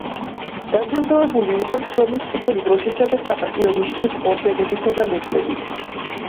დაჯილდოვებული იყო შრომის წითელი დროშისა და „საპატიო ნიშნის“ ორდენებითა და მედლებით.